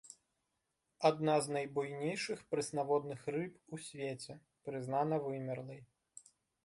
Адна з найбуйнейшых прэснаводных рыб у свеце, прызнана вымерлай.